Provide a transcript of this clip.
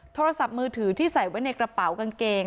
โทรศัพท์มือถือที่ใส่ไว้ในกระเป๋ากางเกง